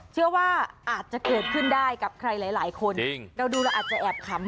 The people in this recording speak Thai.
เชื่อว่าอาจจะเกิดขึ้นได้กับใครหลายคนเราดูเราอาจจะแอบขำ